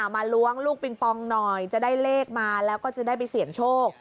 ล้วงลูกปิงปองหน่อยจะได้เลขมาแล้วก็จะได้ไปเสี่ยงโชค